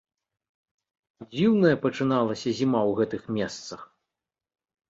Дзіўная пачыналася зіма ў гэтых месцах.